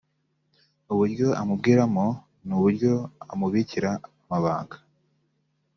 uburyo amubwiramo n’uburyo amubikira amabanga